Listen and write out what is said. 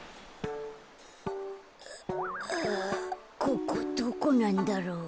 ここどこなんだろう。